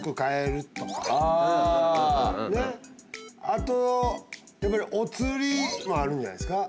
あとやっぱりおつりもあるんじゃないですか。